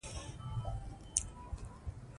بیرغچی زخمي سوی وو.